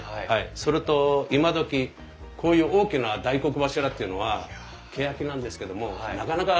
それと今どきこういう大きな大黒柱っていうのはけやきなんですけどもなかなかないんですね。